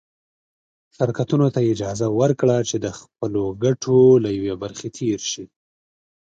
شرکتونو ته یې اجازه ورکړه چې د خپلو ګټو له یوې برخې تېر شي.